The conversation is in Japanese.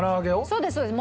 そうですそうです。